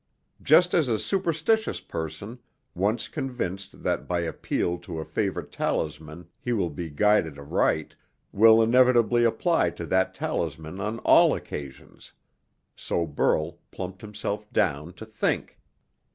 Just as a superstitious person, once convinced that by appeal to a favorite talisman he will be guided aright, will inevitably apply to that talisman on all occasions, so Burl plumped himself down to think.